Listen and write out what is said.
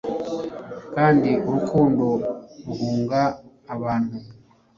Kandi urukundo ruhunga abantu